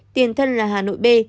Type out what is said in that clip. tiền thân là hà nội b